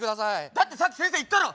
だってさっき先生言ったろ！